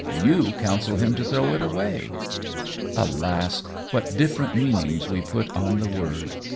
YOU counsel him to throw it away." "Alas, what different meanings we put on the word!